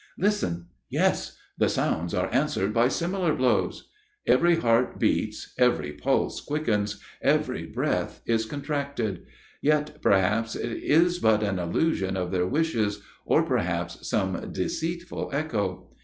Listen! yes! the sounds are answered by similar blows! Every heart beats, every pulse quickens, every breath is contracted; yet, perhaps, it is but an illusion of their wishes or, perhaps, some deceitful echo.